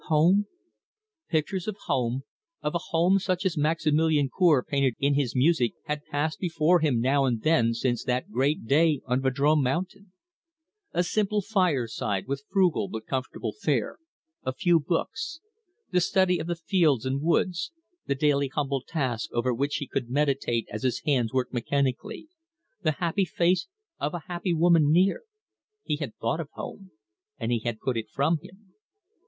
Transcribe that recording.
Home? Pictures of home, of a home such as Maximilian Cour painted in his music, had passed before him now and then since that great day on Vadrome Mountain. A simple fireside, with frugal but comfortable fare; a few books; the study of the fields and woods; the daily humble task over which he could meditate as his hands worked mechanically; the happy face of a happy woman near he had thought of home; and he had put it from him.